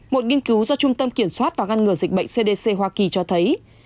một nghiên cứu do trung tâm kiểm soát và ngăn ngừa dịch bệnh cdc hoa kỳ cho thấy